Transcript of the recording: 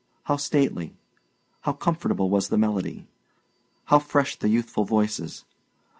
How stately, how comfortable was the melody! How fresh the youthful voices!